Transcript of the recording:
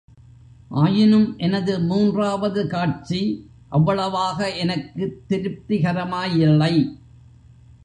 ஆயினும் எனது மூன்றாவது காட்சி அவ்வளவாக எனக்குத் திருப்திகரமாயில்லை.